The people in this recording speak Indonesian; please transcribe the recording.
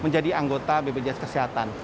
dari anggota bbjs kesehatan